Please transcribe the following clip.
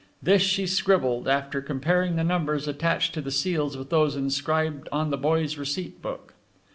This she scribbled, after comparing the numbers attached to the seals with those inscribed on the boy's receipt book.